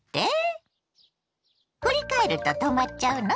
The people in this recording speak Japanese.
振り返ると止まっちゃうの？